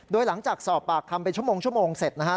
โดยหลังจากสอบปากคำเป็นชั่วโมงเสร็จนะฮะ